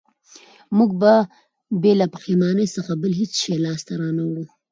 موږ به بې له پښېمانۍ څخه بل هېڅ شی لاسته را نه وړو